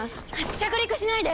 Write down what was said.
着陸しないで！